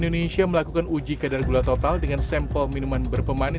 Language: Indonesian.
tim cnn indonesia melakukan uji kadar gula total dengan sampel minuman berpemanis